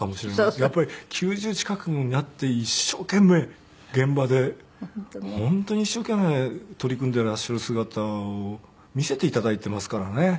やっぱり９０近くになって一生懸命現場で本当に一生懸命取り組んでいらっしゃる姿を見せて頂いていますからね。